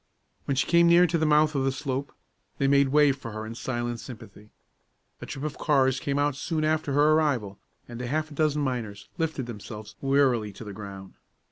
When she came near to the mouth of the slope, they made way for her in silent sympathy. A trip of cars came out soon after her arrival, and a half dozen miners lifted themselves wearily to the ground.